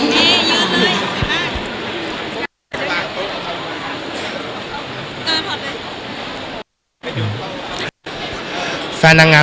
สวัสดีครับ